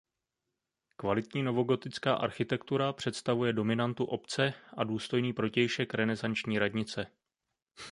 Kvalitní novogotická architektura představuje dominantu obce a důstojný protějšek renesanční radnice.